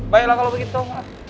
baiklah kalau begitu pak